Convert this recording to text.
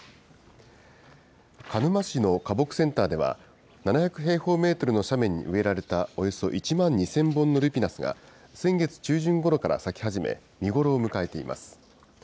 鹿沼市の花木センターでは、７００平方メートルの斜面に植えられたおよそ１万２０００本のルピナスが、先月中旬ごろから咲き始め、見頃を迎えています。